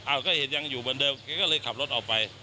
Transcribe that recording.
ก็เห็นยังอยู่เหมือนเดิมแกก็เลยขับรถออกไป